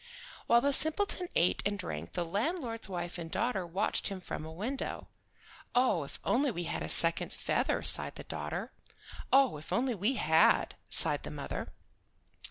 While the simpleton ate and drank the landlord's wife and daughter watched him from a window. "Oh, if we only had a second feather," sighed the daughter. "Oh, if we only had!" sighed the mother.